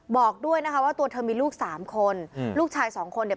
บอกด้วยนะคะว่าตัวเธอมีลูกสามคนอืมลูกชายสองคนเนี่ย